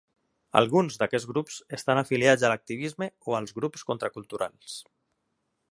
Alguns d'aquests grups estan afiliats a l'activisme o als grups contraculturals.